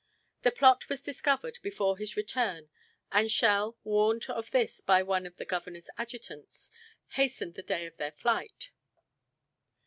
The plot was discovered before his return and Schell, warned of this by one of the governor's adjutants, hastened the day of their flight.